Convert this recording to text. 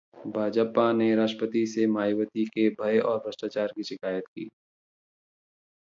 भाजपा ने राष्ट्रपति से मायावती के ‘भय और भ्रष्टाचार’ की शिकायत की